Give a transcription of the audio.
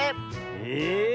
え⁉